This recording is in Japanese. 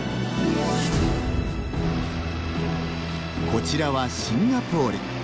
こちらはシンガポール。